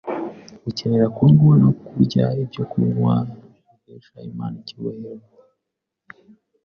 gukenera kurya ibyokurya n’ibyokunywa bihesha Imana icyubahiro